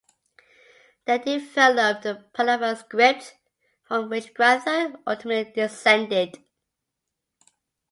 They developed the Pallava script from which Grantha ultimately descended.